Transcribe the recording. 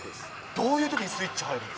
どういうときにスイッチ入る